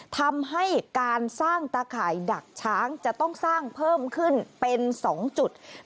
ทำให้การสร้างตาข่ายดักช้างจะต้องสร้างเพิ่มขึ้นเป็น๒จุด